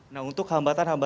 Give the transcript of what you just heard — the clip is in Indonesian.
nah untuk hambatan hambatan